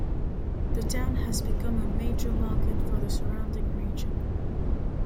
The town has become a major market for the surrounding region.